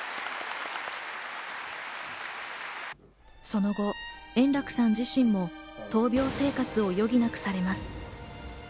その後、円楽さん自身も闘病生活を余儀なくされます。